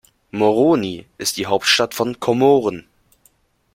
Moroni ist die Hauptstadt von Komoren.